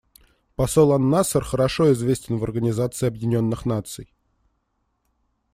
Посол ан-Насер хорошо известен в Организации Объединенных Наций.